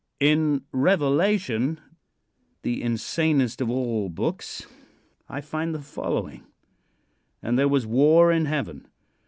In Revelation, the insanest of all books, I find the following: "And there was war in heaven.